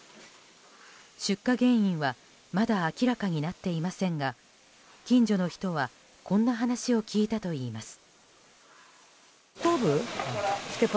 出火原因はまだ明らかになっていませんが近所の人はこんな話を聞いたといいます。